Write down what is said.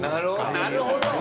なるほど！